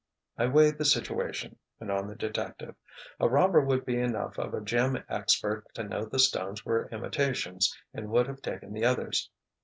"I weighed the situation," went on the detective. "A robber would be enough of a gem expert to know the stones were imitations and would have taken the others.